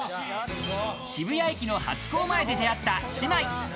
渋谷駅のハチ公前で出会った姉妹。